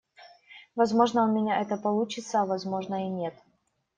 Возможно, у меня это получится, а возможно, и нет.